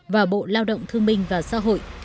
và bộ lao động thương minh và xã hội